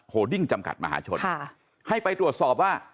ดิ้งจำกัดมหาชนให้ไปตรวจสอบว่า